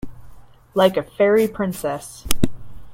Like a fairy princess.